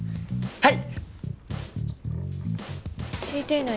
はい！